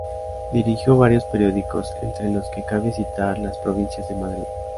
Dirigió varios periódicos, entre los que cabe citar "Las Provincias" de Madrid.